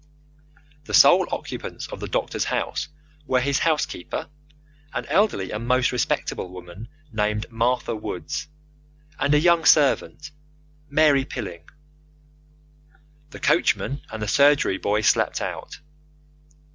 The sole occupants of the doctor's house were his housekeeper, an elderly and most respectable woman, named Martha Woods, and a young servant Mary Pilling. The coachman and the surgery boy slept out.